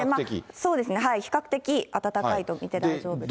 そうですね、比較的暖かいと見て大丈夫です。